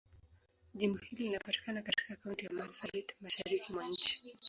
Jimbo hili linapatikana katika Kaunti ya Marsabit, Mashariki mwa nchi.